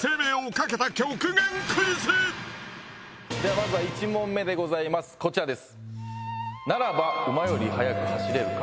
まずは１問目でございますこちらです。